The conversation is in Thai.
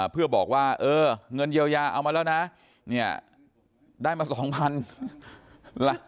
เพื่อบอกว่าเออเงินเยียวยาเอามาแล้วนะเนี่ยได้มา๒๐๐๐